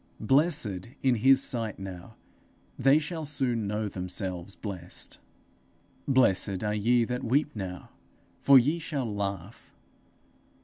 Blessed in his sight now, they shall soon know themselves blessed. 'Blessed are ye that weep now, for ye shall laugh.'